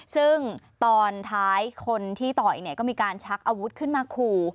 ซึ่งตอนท้ายคนที่ต่อยก็มีการชักอาวุธขึ้นมาขู่